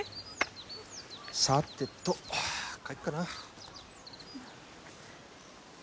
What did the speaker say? さてと帰っかな。